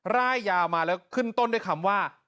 ร่ายยาวมาแล้วขึ้นต้นด้วยคำว่า